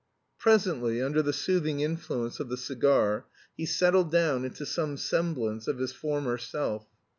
Presently, under the soothing influence of the cigar, he settled down into some semblance of his former self.